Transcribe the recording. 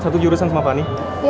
satu jurusan sama fani